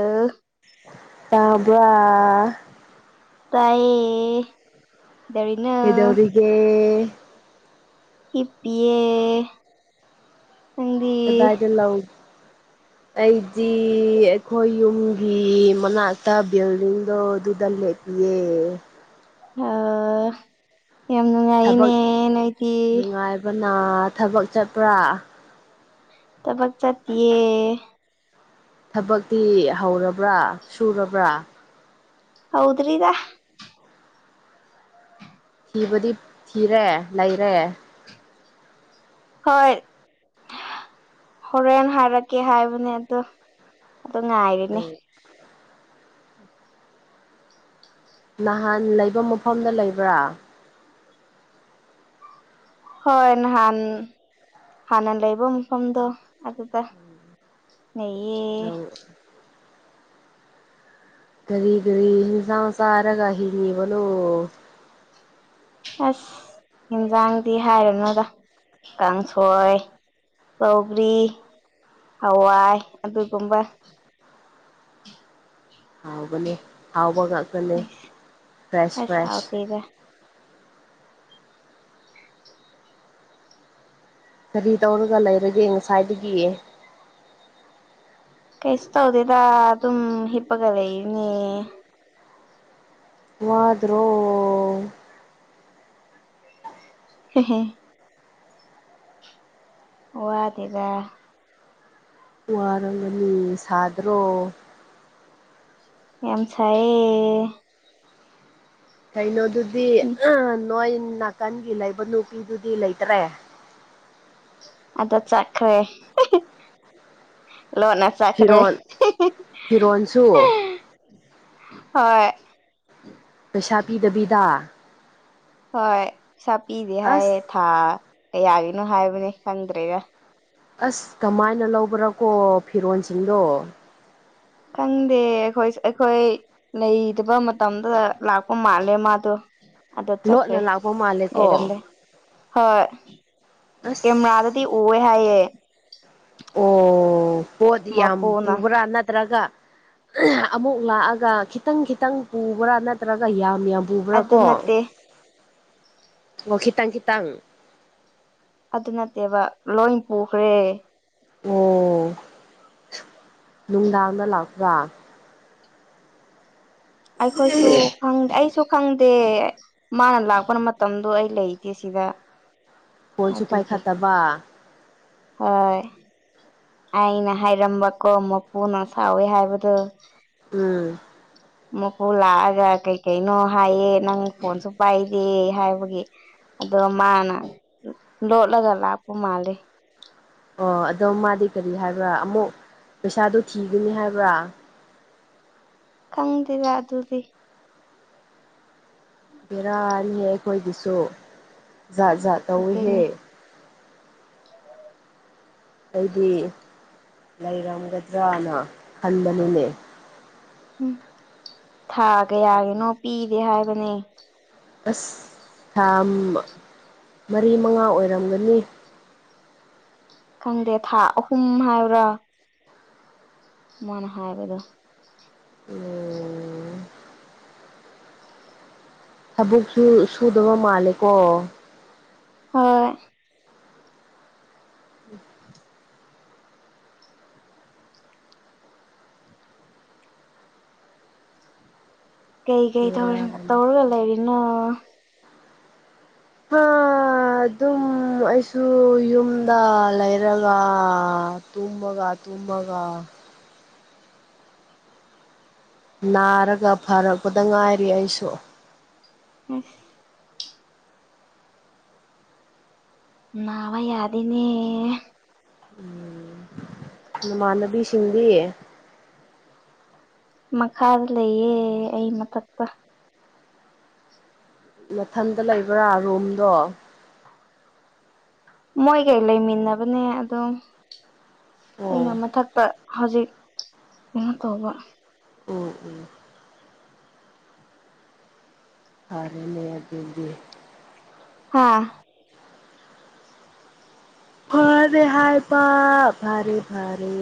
ꯑ ꯇꯥꯕ ꯇꯑꯌꯦꯗꯅ ꯀꯩꯗꯧꯔꯤꯒꯦ ꯏ ꯄꯦ ꯑꯦꯗꯥꯏꯔ ꯂꯎ ꯑꯩꯗꯤ ꯑꯩꯈꯣꯏ ꯌꯨꯝꯒꯤ ꯃꯅꯥꯛꯇ ꯕꯤꯜꯗꯤꯡꯗꯣ ꯑꯗꯨꯗ ꯂꯞ ꯌꯦ ꯑ ꯌꯥꯝ ꯅꯨꯡꯉꯥꯏꯅꯦ ꯅꯗꯤ ꯅ ꯊꯕꯛ ꯆꯠꯄ꯭ꯔꯥ ꯇꯃꯛ ꯆꯦ ꯊꯕꯛꯇꯤ ꯍꯧꯔꯕ꯭ꯔꯥ ꯁꯨꯔꯕ꯭ꯔꯥ ꯍꯥꯎꯗ꯭ꯔꯔꯤꯗ ꯊꯤꯕꯗꯤ ꯊꯤꯔꯦ ꯂꯩꯔꯦ ꯍꯣꯏ ꯍꯣꯔꯦꯟ ꯍꯥꯏꯔꯛꯀꯦ ꯍꯥꯏꯕꯅꯦ ꯑꯗ ꯑ ꯉꯥꯏꯅꯤꯦ ꯅꯍꯥꯟ ꯂꯩꯕ ꯃꯐꯝꯗ ꯂꯩꯕ꯭ꯔꯥ ꯍꯣꯏ ꯅꯍꯥꯟ ꯍꯥꯟꯅ ꯂꯩꯕ ꯃꯐꯝꯗꯣ ꯑꯗꯨꯗ ꯅꯌꯦ ꯀꯔꯤ ꯀꯔꯤ ꯍꯁꯥꯡꯁꯥꯔꯒꯍꯤꯅꯤꯂꯣ ꯑꯁ ꯌꯦꯟꯖꯥꯡꯗꯤ ꯍꯥꯏꯔꯅꯨꯗ ꯀꯥꯡꯁꯣꯏ ꯭ꯔꯤ ꯍꯋꯥꯏ ꯑꯗꯨꯒꯨꯝꯕ ꯍꯥꯎꯒꯅꯦ ꯍꯥꯎꯕꯒꯒꯅꯦ ꯐ꯭ꯔꯦꯁ ꯑꯁ ꯐ꯭ꯔꯦꯁ ꯍꯥꯎꯇꯦꯗ ꯀꯔꯤ ꯇꯧꯔꯒ ꯂꯩꯔꯒꯦ ꯉꯁꯥꯏꯗꯒꯤꯑ ꯀꯩꯁ ꯇꯧꯗꯦꯗ ꯑꯗꯨꯝ ꯍꯤꯄꯒ ꯂꯩꯅꯤ ꯋꯥꯗ꯭ꯔꯣ ꯍ ꯍ ꯋꯥ ꯇꯔ ꯋꯥꯔꯒꯅꯤ ꯁꯥꯗ꯭ꯔꯣ ꯌꯥꯝꯝꯁꯥꯏ ꯀꯩꯅꯣꯗꯨꯗꯤ ꯎꯝ ꯅꯣꯏ ꯅꯥꯀꯟꯒꯤ ꯂꯩꯕ ꯅꯨꯄꯤꯗꯨꯗꯤ ꯂꯩꯇ꯭ꯔꯦ ꯑꯗ ꯆꯈ꯭ꯔꯦ ꯂꯣꯅꯥ ꯆꯈꯔ ꯐꯤꯔꯣꯜ ꯐꯤꯔꯣꯜꯁꯨ ꯍꯣꯏ ꯄꯩꯁꯥ ꯄꯤꯗꯕꯤꯗ ꯍꯣꯏꯩꯁ ꯄꯗꯤꯦ ꯑꯁ ꯍꯥꯏꯌꯦ ꯊꯥ ꯀ ꯌꯥꯒꯤꯅꯣ ꯍꯥꯏꯕꯅꯦ ꯈꯪꯗ꯭ꯔꯦꯗ ꯑꯁ ꯀꯃꯥꯏꯅ ꯂꯧꯕꯔꯥꯀꯣ ꯐꯤꯔꯣꯜꯁꯤꯡꯗꯣ ꯈꯪꯗꯦ ꯑꯩꯈꯣꯏ ꯑꯩꯈꯣꯏ ꯂꯩꯇꯕ ꯃꯇꯝꯗꯨꯗ ꯂꯥꯛꯄ ꯃꯥꯜꯂꯦ ꯃꯥꯗꯣ ꯑꯗꯠ ꯂꯣꯠꯅ ꯆꯈ꯭ꯔꯤ ꯂꯥꯛꯄ ꯃꯥꯜꯂꯦꯀꯣ ꯂꯩꯔꯝꯗꯦ ꯍꯣꯏ ꯀ ꯑꯁ ꯔꯗꯗꯤ ꯎꯦ ꯍꯥꯏ ꯑꯣ ꯄꯣꯗꯤ ꯌꯥꯝ ꯄꯨꯕ꯭ꯔꯥ ꯅꯠꯇ꯭ꯔꯒ ꯑꯃꯨꯛ ꯂꯥꯛꯑꯒ ꯈꯤꯇꯪ ꯈꯤꯇꯪ ꯄꯨꯕ꯭ꯔꯥ ꯅꯠꯇ꯭ꯔꯒ ꯌꯥꯝ ꯌꯥꯝ ꯄꯨꯕ꯭ꯔꯥ ꯑꯗꯨ ꯀꯣ ꯅꯠꯇꯦ ꯑꯣꯈꯤꯇꯪ ꯈꯤꯇꯪ ꯑꯗꯨ ꯅꯠꯇꯦꯕ ꯂꯣꯏ ꯄꯨꯈ꯭ꯔꯦ ꯑꯣ ꯅꯨꯡꯗꯥꯡꯗ ꯂꯥꯛꯄ꯭ꯔꯥ ꯑꯩꯈꯣꯏꯁꯨ ꯈꯪꯗꯦ ꯑꯩꯁꯨ ꯈꯪꯗꯦ ꯃꯥꯅ ꯂꯥꯛꯄꯅ ꯃꯇꯝꯗꯣ ꯑꯩ ꯂꯩꯇꯦ ꯁꯤꯗ ꯀꯣꯟꯁꯨ ꯑꯗꯨꯒꯤ ꯄꯥꯏꯈꯠꯇꯕ ꯍꯣꯏ ꯑꯩꯅ ꯍꯥꯏꯔꯝꯕꯀꯣ ꯃꯄꯨꯅ ꯁꯥꯎꯋꯦ ꯍꯥꯏꯕꯗꯨꯣ ꯎꯝ ꯃꯀꯨ ꯂꯥꯛꯑꯒ ꯀꯩ ꯀꯩꯅꯣ ꯍꯥꯏꯌꯦ ꯅꯪ ꯐꯣꯟꯁꯨ ꯄꯥꯏꯗꯦ ꯍꯥꯏꯕꯒꯤ ꯑꯗꯣ ꯃꯥꯅ ꯂꯣꯠꯂꯒ ꯂꯥꯛꯄ ꯃꯥꯜꯂꯤꯦ ꯑꯣ ꯑꯗꯣ ꯃꯥꯗꯤ ꯀꯔꯤ ꯍꯥꯏꯕ꯭ꯔꯥ ꯑꯃꯨꯛ ꯄꯩꯁꯥꯗꯨ ꯊꯤꯒꯅꯤ ꯍꯥꯏꯕ꯭ꯔꯥ ꯈꯪꯗꯦꯔ ꯑꯗꯨꯗꯤ ꯕꯔꯥꯔꯤꯍꯦ ꯑꯩꯈꯣꯏꯗꯨꯁꯨ ꯖꯥꯠ ꯖꯥꯠ ꯇꯧꯏꯤꯍꯦ ꯑꯗꯨꯅꯤ ꯑꯩꯗꯤ ꯂꯩꯔꯝꯒꯗ꯭ꯔꯅ ꯈꯟꯕꯅꯤꯅꯦ ꯎꯝ ꯊꯥ ꯀꯌꯥꯒꯤꯅꯣ ꯄꯤꯗꯦ ꯍꯥꯏꯕꯅꯦ ꯑꯁ ꯊꯥ ꯃꯔꯤ ꯃꯉꯥ ꯑꯣꯏꯔꯝꯒꯅꯤ ꯈꯪꯗꯦ ꯊꯥ ꯑꯍꯨꯝ ꯍꯥꯏꯕ꯭ꯔꯥ ꯃꯅ ꯍꯥꯏꯕꯗꯣ ꯎꯝ ꯊꯕꯛꯁꯨ ꯁꯨꯗꯕ ꯃꯥꯜꯂꯦ ꯀꯣ ꯍꯣꯏ ꯀꯩꯀꯩꯧꯔꯤ ꯕꯦꯔꯥꯅꯤ ꯇꯧꯔꯒ ꯂꯩꯔꯤꯅꯣ ꯍꯥ ꯑꯗꯨꯝ ꯑꯩꯁꯨ ꯌꯨꯝꯗ ꯂꯩꯔꯒ ꯇꯨꯝꯕꯒ ꯇꯨꯝꯃꯒ ꯅꯥꯔꯒ ꯐꯔꯛꯄꯗ ꯉꯥꯏꯔꯤ ꯑꯩꯁꯨ ꯎꯝ ꯉꯕ ꯌꯥꯗꯅꯦ ꯎꯝ ꯃꯥꯅꯕꯤ ꯁꯤꯗꯤ ꯃꯈꯥꯗ ꯂꯩꯌꯦ ꯑꯩ ꯃꯊꯛꯀ ꯃꯊꯟꯇ ꯂꯩꯕ꯭ꯔꯥ ꯔꯨꯝꯗꯣ ꯃꯣꯏꯒꯩ ꯂꯩꯃꯤꯟꯅꯕꯅꯦ ꯑꯗꯨꯝ ꯑꯣ ꯑꯩꯅ ꯃꯊꯛꯇ ꯍꯧꯖꯤꯛ ꯀꯩꯅꯣ ꯇꯧꯕ ꯎꯝ ꯎꯝ ꯐꯔꯦꯅꯦꯗꯒꯤ ꯍꯥꯥ ꯐꯔꯦ ꯍꯥꯏꯥꯏ ꯄ ꯐꯔꯦ ꯐꯔꯦ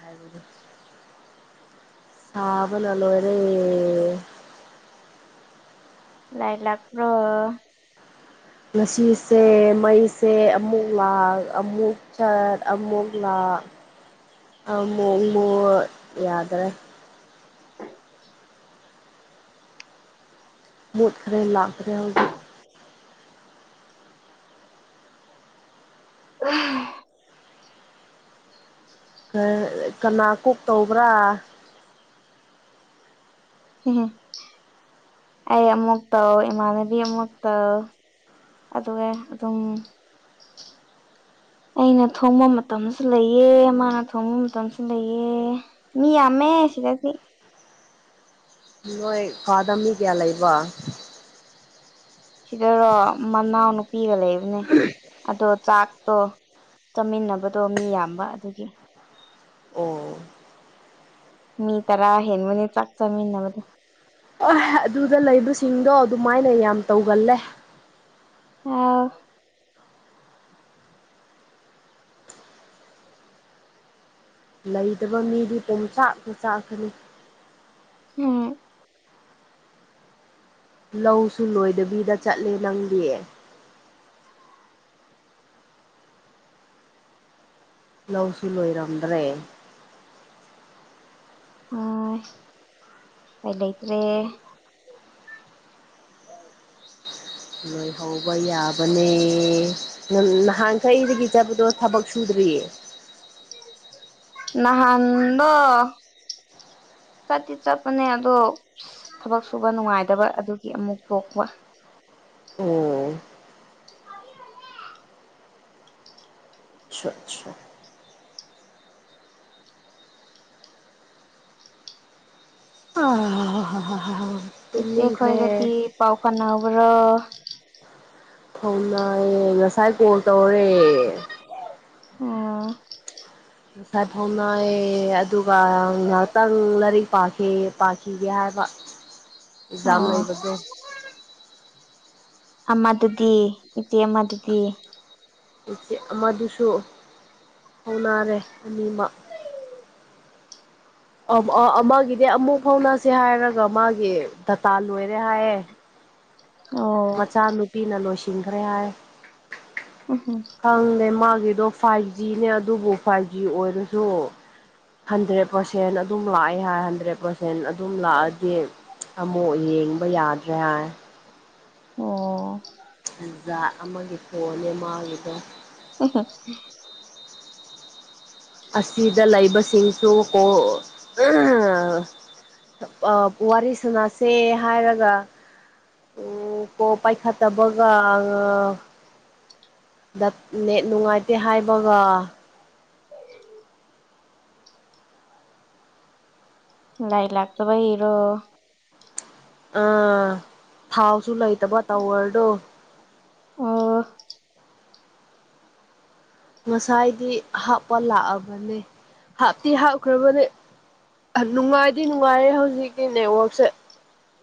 ꯍꯥꯏꯕꯗꯨ ꯁꯥꯕꯅꯂꯔ ꯂꯥꯏ ꯂꯥꯛꯄ꯭ꯔꯣ ꯉꯁꯤꯁꯦ ꯃꯩꯁꯦ ꯑꯃꯨꯛ ꯂꯥꯛꯈ ꯑꯃꯨꯛ ꯆꯠ ꯑꯃꯨꯛ ꯂꯥꯛꯈ ꯑ ꯃꯨꯃ ꯌꯥꯗ꯭ꯔꯦ [unintelligible] ꯃꯨꯠꯈꯔꯦ ꯂꯞꯈꯔꯦ ꯍꯧꯖꯤꯛ ꯎꯝ ꯀꯅꯥ ꯀꯣꯛ ꯇꯧꯕ꯭ꯔꯥ ꯑꯩ ꯑꯃꯨꯛ ꯇꯧ ꯏꯃꯥꯟꯅꯕꯤ ꯑꯃꯨꯛ ꯇꯧ ꯑꯗꯨꯒ ꯑꯗꯨꯝ ꯑꯩꯅ ꯊꯣꯡꯕ ꯃꯇꯝꯁꯨ ꯂꯩꯑ ꯃꯥꯅ ꯊꯣꯡꯕ ꯃꯇꯝꯁꯨ ꯂꯩꯑ ꯃꯤ ꯌꯥꯝ ꯑꯃꯃꯦ ꯑꯁꯤꯗ ꯁꯤ ꯅꯣꯏ ꯐꯋꯥꯗꯃꯤ ꯀꯌꯥ ꯂꯩꯕ ꯁꯤꯗꯔꯣ ꯃꯅꯥꯎꯅꯨꯄꯤꯒ ꯂꯩꯕꯅꯦ ꯑꯗꯣ ꯆꯥꯛ ꯇꯣ ꯆꯠꯃꯤꯟꯅꯕꯗꯣ ꯃꯤ ꯌꯥꯝꯕ ꯑꯗꯨꯒꯤ ꯑꯣ ꯃꯤ ꯇꯔꯥ ꯍꯦꯟꯕꯅꯤ ꯆꯥꯛ ꯆꯃꯤꯟꯅꯕꯗꯣ ꯍ ꯑꯗꯨꯗ ꯂꯩꯕꯁꯤꯡꯗꯣ ꯑꯗꯨꯃꯥꯏꯅ ꯌꯥꯝ ꯇꯧꯒꯜꯂꯦ ꯑ ꯂꯩꯇꯕ ꯃꯤꯗꯤ ꯄꯣꯡꯆꯥꯛꯄ ꯆꯥꯛꯀꯅꯤ ꯎꯝ ꯂꯧꯁꯨ ꯂꯣꯏꯗꯕꯤꯗ ꯆꯠꯂꯦ ꯅꯪꯒꯤ ꯂꯧꯁꯨ ꯂꯣꯏꯔꯝꯗ꯭ꯔꯦ ꯍ ꯑꯩꯣꯏ ꯂꯩꯇ꯭ꯔꯦ ꯂꯣꯏꯍꯧꯕ ꯌꯥꯕꯅꯦ ꯅꯍꯥꯟ ꯀꯩꯗꯒꯤ ꯆꯠꯄꯗꯣ ꯊꯕꯛ ꯁꯨꯗ꯭ꯔꯤꯌꯦ ꯅꯍꯥꯟꯗ [unintelligible] ꯆꯠꯇꯤ ꯆꯠꯄꯅꯦ ꯑꯗꯣ ꯊꯕꯛ ꯁꯨꯕ ꯅꯨꯡꯉꯥꯏꯗꯕ ꯑꯗꯨꯒꯤ ꯑꯃꯨꯛ ꯇꯣꯛꯄ ꯑꯣ [unintelligible] ꯑꯆꯥ ꯑꯆꯥ ꯏꯆꯦ ꯇꯨꯝꯅꯤꯡꯈ꯭ꯔꯦ ꯈꯣꯏꯒꯗꯤ ꯄꯥꯎ ꯐꯥꯕ꯭ꯔꯣ ꯐꯥꯎꯅꯥꯏꯌꯦ ꯉꯁꯥꯏ ꯀ ꯇꯧꯔꯦ ꯑꯣ ꯉꯁꯥꯏꯐꯥꯎꯅꯌꯦ ꯑꯗꯨꯒ ꯉꯍꯥꯛꯇꯪ ꯂꯥꯏꯔꯤꯛ ꯄꯥꯈꯤ ꯄꯥꯈꯤꯒꯦ ꯍꯥꯏ ꯍꯥꯏꯕ ꯑꯦꯛꯖꯥꯝ ꯑꯣ ꯂꯩꯕꯗꯣ ꯑꯗꯨꯗꯤ ꯏꯇ ꯑꯃꯗꯨꯗꯤ ꯎꯆꯆꯦ ꯑꯃꯗꯨꯁꯨ ꯍꯧꯅꯔꯦ ꯑꯅꯤꯃꯛ ꯑ ꯑꯃꯒꯤꯗꯤ ꯑꯃꯨꯛ ꯐꯥꯎꯅꯁꯤꯦ ꯍꯥꯏꯔꯒ ꯃꯥꯒꯤ ꯗꯇꯥ ꯂꯣꯏꯔꯦ ꯍꯥꯏꯌꯦꯦ ꯑꯣ ꯃꯆꯥꯅꯨꯄꯤꯅ ꯂꯣꯏꯁꯤꯟꯈ꯭ꯔꯦ ꯍꯥꯏ ꯎꯝ ꯈꯪꯗꯦ ꯃꯥ ꯗꯣ ꯐꯥꯏꯚ ꯖꯤꯅꯦ ꯑꯗꯨꯕꯨ ꯐꯥꯏꯚ ꯖꯤ ꯑꯣꯏꯔꯁꯨ ꯍꯟꯗ꯭ꯔꯦꯠ ꯄꯥꯔꯁꯦꯟ ꯑꯗꯨꯝ ꯂꯥꯛꯑꯦ ꯍꯥꯏ ꯍꯟꯗ꯭ꯔꯦꯠ ꯄꯥꯔꯁꯦꯟ ꯑꯗꯨꯝ ꯂꯥꯛꯑꯗꯤ ꯑꯃꯨꯛ ꯌꯦꯡꯕ ꯌꯥꯗ꯭ꯔꯦ ꯍꯥꯏ ꯑꯣ ꯖꯥ ꯑꯃꯒꯤ ꯐꯣꯅꯦ ꯃꯥꯒꯤꯗꯣ ꯑ ꯍ ꯑꯁꯤꯗ ꯂꯩꯕꯁꯤꯡꯁꯨ ꯀꯣ ꯋꯥꯔꯤ ꯁꯥꯟꯅꯁꯦ ꯍꯥꯏꯔꯒ ꯎ ꯀꯣ ꯄꯥꯏꯈꯥ ꯇ ꯒꯥ ꯗ ꯅ ꯅꯨꯡꯉꯥꯏꯇꯦ ꯍꯥꯏꯕꯒ ꯂꯥꯏ ꯂꯥꯛꯇ ꯩꯔꯣ ꯑꯥ ꯊꯥꯎꯁꯨ ꯂꯩꯇꯕ ꯇꯧꯋꯔꯗꯣ ꯑꯣ ꯉꯁꯥꯏꯗꯤ ꯍꯥꯞꯄ ꯂꯥꯛꯑꯕꯅꯦ ꯍꯥꯞꯇꯤ ꯍꯥꯞꯈ꯭ꯔꯕꯅꯦ ꯅꯨꯡꯉꯥꯏꯗꯤ ꯅꯨꯡꯉꯥꯏꯔꯦ ꯍꯧꯖꯤꯛꯀꯤ ꯅꯦꯠꯋꯔꯛꯁꯦ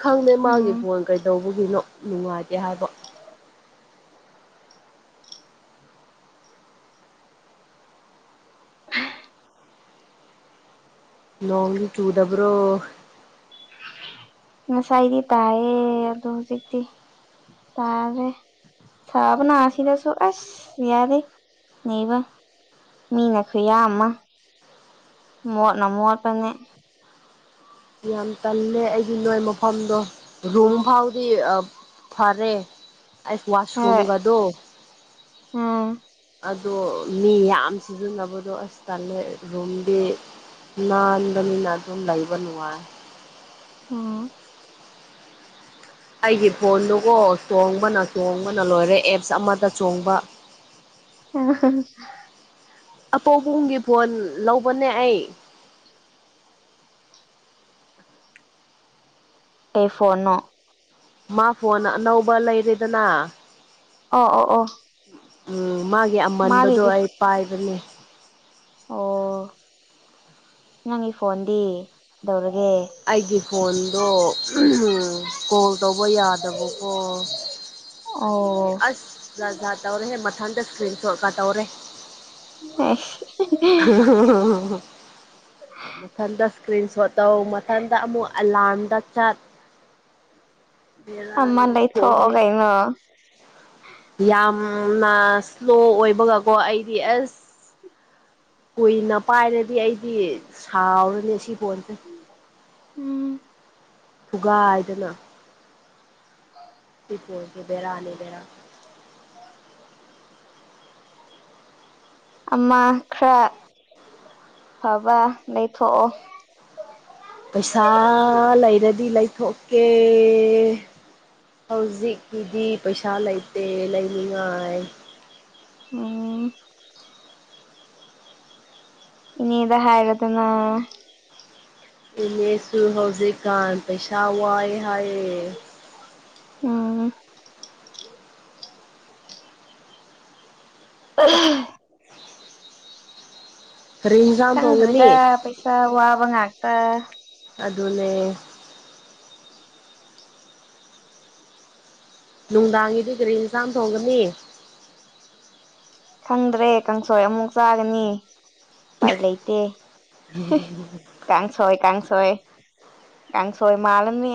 ꯈꯪꯗꯦ ꯎꯝ ꯃꯥꯡꯒꯤ ꯐꯣꯟ ꯀꯩꯗꯧꯕꯒꯤꯅꯣ ꯅꯨꯡꯉꯥꯏꯇꯦ ꯍꯥꯏꯕ ꯅꯣꯡꯃꯒꯤ ꯆꯨꯗꯕ꯭ꯔꯣ ꯉꯁꯥꯏꯗꯤ ꯇꯥꯏꯌꯦ ꯑꯗꯣ ꯍꯧꯖꯤꯛꯇꯤ ꯇꯥꯔꯦ ꯁꯥꯥꯕꯅꯥ ꯁꯤꯗꯁꯨꯣ ꯑꯁ ꯌꯥꯌꯥꯗ ꯅꯕ ꯃꯤꯅ ꯈꯨꯌꯥ ꯑꯃ ꯃꯣꯠꯅ ꯃꯣꯠꯄꯅꯦ ꯌꯥꯝ ꯇꯜꯂꯦ ꯑꯩꯒꯤ ꯅꯣꯏ ꯃꯐꯝꯗꯣ ꯔꯨꯝ ꯐꯥꯎꯗꯤ ꯐꯔꯦ ꯑꯩ ꯍꯣꯏ ꯋꯥꯁꯔꯨꯝꯒꯗ ꯎꯝ ꯑꯗꯣ ꯃꯤ ꯌꯥꯝ ꯁꯤꯖꯤꯟꯅꯕꯗꯣ ꯑꯁ ꯇꯜꯂꯦ ꯔꯨꯝꯗꯤ ꯅꯥꯟꯕꯅꯤꯅ ꯑꯗꯨꯝ ꯂꯩꯕ ꯅꯨꯡꯉꯥꯏ ꯎꯝ ꯑꯩꯒꯤ ꯐꯣꯟꯗꯨꯒꯣ ꯆꯣꯡꯕꯅ ꯆꯣꯡꯕꯅ ꯂꯣꯏꯔꯦ ꯑꯦꯞꯁ ꯑꯃꯗ ꯆꯣꯡꯕ ꯑꯄꯣꯛꯄꯨꯝꯒꯤ ꯐꯣꯟ ꯂꯧꯕꯅꯦ ꯑꯩ ꯑꯩ ꯐꯣꯟꯅꯣ ꯃꯥ ꯐꯣꯟ ꯑꯅꯧꯕ ꯂꯩꯔꯦꯗꯅ ꯑꯣ ꯑꯣ ꯑꯣ ꯎꯝ ꯃꯥꯒꯤ ꯑꯃꯟꯕꯗꯣ ꯃꯥꯒꯤꯗꯨ ꯑꯩ ꯄꯥꯏꯕꯅꯦ ꯑꯣ ꯅꯪꯒꯤ ꯐꯣꯟꯗꯤ ꯇꯧꯔꯒꯦ ꯑꯩꯒꯤ ꯐꯣꯟꯗꯣ ꯀꯣꯜ ꯇꯧꯕ ꯌꯥꯗꯕꯀꯣ ꯑꯗꯨꯒꯤ ꯑꯣ ꯑꯁ ꯖꯥ ꯖꯥ ꯇꯧꯔꯦꯍꯦ ꯃꯊꯟꯗ ꯏꯁꯀ꯭ꯔꯤꯟ ꯁꯣꯠꯀ ꯇꯧꯔꯦ ꯑ ꯃꯊꯟꯗ ꯏꯁꯀ꯭ꯔꯤꯟ ꯁꯣ ꯇꯧ ꯃꯊꯟꯗ ꯑꯃꯨꯛ ꯑꯦꯂꯥꯝꯗ ꯆꯠ ꯌꯦ ꯑꯃ ꯂꯩꯊꯣꯛꯑꯣ ꯐꯅꯤ ꯀꯩꯅꯣ ꯌꯥꯝ ꯏꯁ꯭ꯂꯣ ꯑꯣꯏꯕꯒꯀꯣ ꯑꯩꯗꯤ ꯑꯁ ꯀꯨꯏꯅ ꯄꯥꯏꯔꯗꯤ ꯑꯩꯗꯤ ꯁꯥꯎꯔꯅꯦ ꯁꯤ ꯄꯣꯟꯁꯦ ꯎꯝ ꯊꯨꯒꯥꯏꯗꯅ ꯑ ꯑꯣꯏꯒꯦ ꯕꯔꯥꯅꯤꯕꯔ ꯑꯃ ꯈꯔ ꯍꯥꯕꯥ ꯅ ꯊꯣꯛꯑꯣ ꯄꯩꯁꯥ ꯂꯩꯔꯗꯤ ꯂꯩꯊꯣꯛꯀꯦ ꯍꯧꯖꯤꯛꯀꯤꯗꯤ ꯄꯩꯁꯥ ꯂꯩꯇꯦ ꯂꯩꯅꯤꯡꯉꯥꯏ ꯎꯝ ꯏꯅꯤꯗ ꯍꯥꯏꯔ ꯑꯗꯨꯅ ꯏꯅꯦꯁꯨ ꯍꯧꯖꯤꯛꯀꯥꯟ ꯄꯩꯁꯥ ꯋꯥꯏ ꯍꯥꯏꯌꯦꯦ ꯎꯝ ꯑ ꯀꯔꯤ ꯏꯟꯁꯥꯡ ꯈꯪꯗ꯭ꯔꯤꯗ ꯊꯣꯡꯒꯅꯤ ꯄꯩꯁꯥ ꯋꯥꯕ ꯉꯥꯛꯇ ꯑꯗꯨꯅꯦ ꯅꯨꯡꯗꯥꯡꯒꯤꯗꯤ ꯒꯥꯔꯤ ꯑꯦꯟꯁꯥꯝ ꯊꯣꯡꯒꯅꯤ ꯈꯪꯗ꯭ꯔꯦ ꯀꯥꯡꯁꯣꯏ ꯑꯃꯨꯛ ꯆꯥꯒꯅꯤ ꯎꯄꯥꯏ ꯂꯩꯇꯦ ꯀꯁ ꯑꯣꯏ ꯀꯁ ꯁꯣꯏ ꯌꯥꯪ ꯁꯣꯣꯏ ꯃꯥꯂꯅꯤ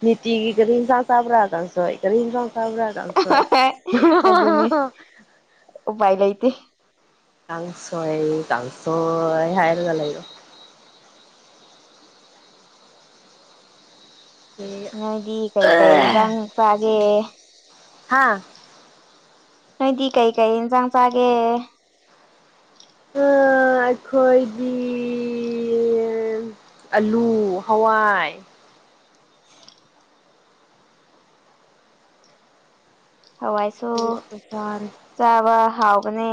ꯎ ꯅꯤꯇꯤꯒꯤ ꯀꯔꯤ ꯌꯦꯟꯁꯥꯡ ꯆꯥꯕ꯭ꯔꯥ ꯀꯥꯡꯁ ꯀꯔꯤ ꯍꯤꯡꯁꯥꯡ ꯊꯔ ꯀꯜ ꯐꯥꯏ ꯑꯗꯨꯅꯤ ꯎꯄꯥꯏ ꯂꯩꯇꯦ ꯀꯥꯡꯁ ꯑꯩ ꯀꯁ ꯍꯥꯏ ꯍꯥꯏꯔꯒꯂꯒꯣ ꯅꯣꯏꯗꯤ ꯀꯩꯀꯩ ꯏꯟꯖꯥꯡ ꯆꯥꯒꯦ ꯍꯥꯥ ꯅꯣꯏꯗꯤ ꯀꯩ ꯀꯩ ꯏꯟꯁꯥꯡ ꯆꯥꯒꯦ ꯑ ꯑꯩꯈꯣꯏꯗꯤ ꯑ ꯑꯂꯨ ꯍꯋꯥꯏ [inaudible] ꯍꯋꯥꯏꯁꯨ ꯑꯗꯨ ꯉꯥꯛꯇ ꯆꯥꯔꯦ ꯆꯥꯕ ꯍꯥꯎꯒꯅꯦ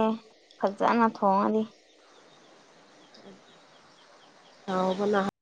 ꯐꯖꯅ ꯊꯣꯡꯉꯅꯤ ꯑꯥꯎꯕꯅꯍ